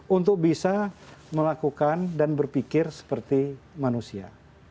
untuk bisa melakukan dan berpikir seperti manusia